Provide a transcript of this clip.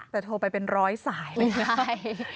แต่โทรไปเป็น๑๐๐สายเลยค่ะ